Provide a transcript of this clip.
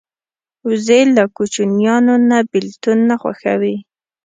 وزې له کوچنیانو نه بېلتون نه خوښوي